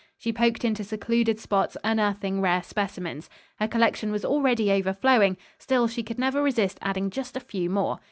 She poked into secluded spots unearthing rare specimens. Her collection was already overflowing; still she could never resist adding just a few more.